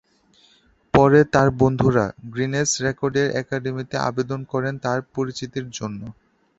পরে তার বন্ধুরা গিনেস রেকর্ডস একাডেমীতে আবেদন করেন তার পরিচিতির জন্য।